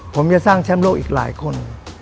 ผมจะสร้างแชมป์โลกอีกหลายคน